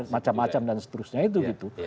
macam macam dan seterusnya itu gitu